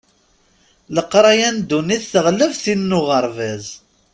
Leqraya n ddunit teɣleb tin n uɣerbaz.